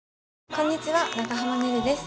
こんにちは長濱ねるです。